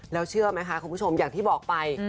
แล้วเชื่อไหมคะคุณผู้ชมอย่างที่บอกไป